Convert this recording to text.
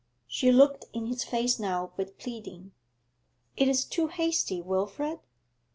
She looked in his face now with pleading. 'It is too hasty, Wilfrid.